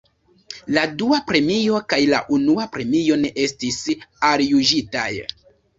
La dua premio kaj la unua premio ne estis aljuĝitaj.